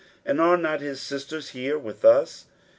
and are not his sisters here with us?